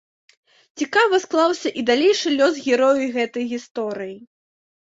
Цікава склаўся і далейшы лёс герояў гэтай гісторыі.